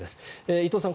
伊藤さん